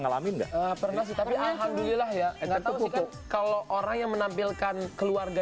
ngalamin nggak pernah sih tapi alhamdulillah ya enggak kalau orang yang menampilkan keluarga